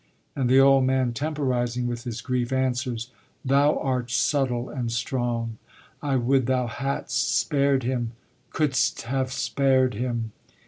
And the old man, temporising with his grief, answers: Thou art subtle and strong. I would thou hadst spared him couldst have spared him.